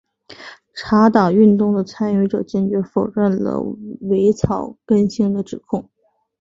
茶党运动的参与者坚决否认了伪草根性的指控。